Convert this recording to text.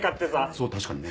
そう確かにね。